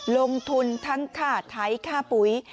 ลงทุนทั้งค่าไถค่าปุ๋ย